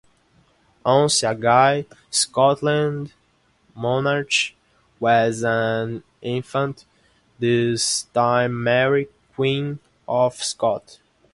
Once again, Scotland's monarch was an infant, this time Mary, Queen of Scots.